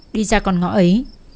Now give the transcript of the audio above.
đi ra con ngõ ấy